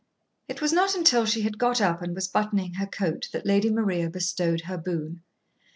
It was not until she had got up and was buttoning her coat that Lady Maria bestowed her boon.